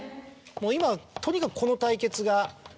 今とにかくこの対決が。